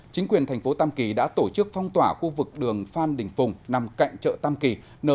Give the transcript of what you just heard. chính quyền thành phố tam kỳ đã tổ chức phong tỏa khu vực đường phan đình phùng nằm cạnh chợ tam kỳ